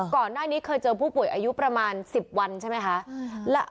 ก่อนหน้านี้เคยเจอผู้ป่วยอายุประมาณ๑๐วันใช่ไหมคะ